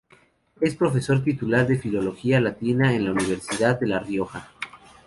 Es profesor titular de Filología Latina en la Universidad de La Rioja.